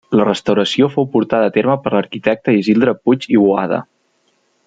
La restauració fou portada terme per l'arquitecte Isidre Puig i Boada.